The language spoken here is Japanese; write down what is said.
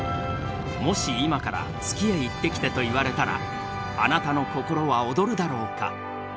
もし「今から月へ行ってきて」と言われたらあなたの心は躍るだろうか？